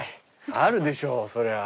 あるでしょそりゃ。